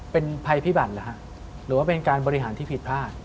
เป็นภัยพิบัติหรือเป็นการบริหารผิดพลาด